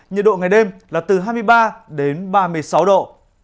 nhiệt độ ngày đêm là từ hai mươi ba đến ba mươi sáu độ